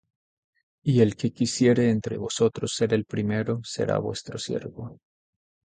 Y el que quisiere entre vosotros ser el primero, será vuestro siervo: